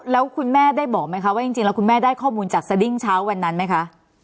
แล้วคุณแม่ได้บอกไหมคะว่าจริงแล้วคุณแม่ได้ข้อมูลจากสดิ้งเช้าวันนั้นไหมคะ